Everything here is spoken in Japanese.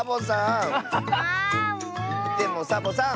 でもサボさん。